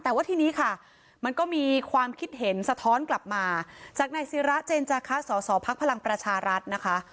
แต่ว่าทีนี้ค่ะมันก็มีความคิดเห็นสะท้อนกลับมาจากนายศิราเจนจาคะสอสอพักพลังประชารัฐนะคะ